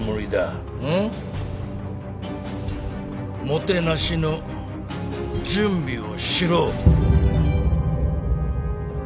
もてなしの準備をしろ。